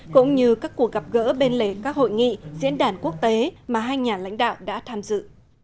cũng như các cuộc gặp gỡ bên lề các hội nghị diễn đàn quốc tế mà hai nhà lãnh đạo đã tham dự